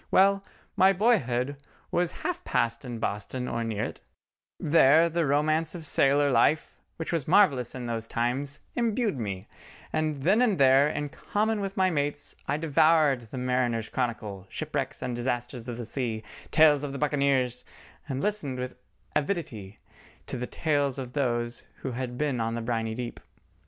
Well, my boyhood was half passed in Boston or near it; there the romance of sailor life, which was marvellous in those times, imbued me, and then and there in common with my mates I devoured the Mariners' Chronicle, Shipwrecks and Disasters of the Sea, Lives of the Buccaneers, and listened with avidity to the tales of those who had been on the briny deep.